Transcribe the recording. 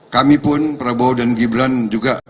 kami pun prabowo dan gibran juga